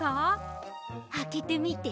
あけてみて。